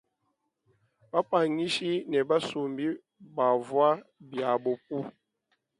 Bapanyishi ne basumbi bavwa biabo ku.